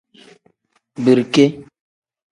Birike.